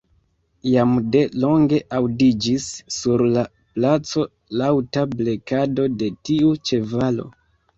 Jam de longe aŭdiĝis sur la placo laŭta blekado de tiu ĉevalo.